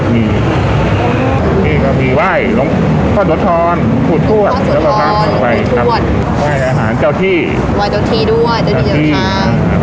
เพื่อความสบายด้วยนะเราทำมาค้าขายใช่ไหม